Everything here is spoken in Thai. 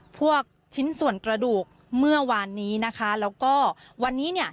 ชิ้นส่วนกระดูกเมื่อวานนี้นะคะแล้วก็วันนี้เนี่ย